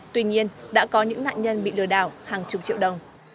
tuy nhiên đã có những nạn nhân bị lừa đảo hàng chục triệu đồng